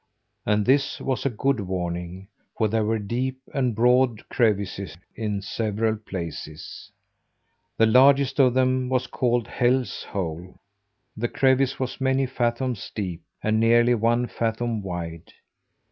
And this was a good warning, for there were deep and broad crevices in several places. The largest of them was called Hell's Hole. That crevice was many fathoms deep and nearly one fathom wide.